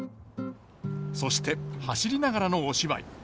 そして走りながらのお芝居。